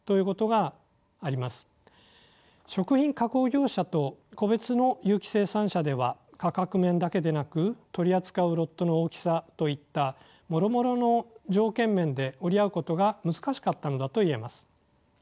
食品加工業者と個別の有機生産者では価格面だけでなく取り扱うロットの大きさといったもろもろの条件面で折り合うことが難しかったのだと言えます。